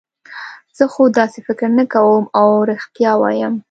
زه خو داسې فکر نه کوم، اوه رښتیا وایم.